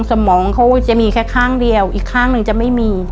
สมองเขาจะมีแค่ข้างเดียวอีกข้างหนึ่งจะไม่มี